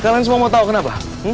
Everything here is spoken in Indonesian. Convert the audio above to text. oke kalian semua mau tau kenapa